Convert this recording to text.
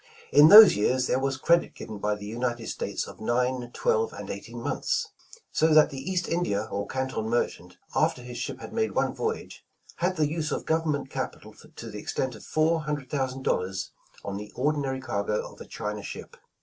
'' In those years there was credit given by the United States of nine, twelve and eighteen months! So that the East India or Canton merchant, after his ship had made one voyage, had the use of government capital to the extent of four hundred thousand dollars, on the ordinary cargo of a China ship.